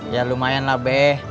ya lumayan lah be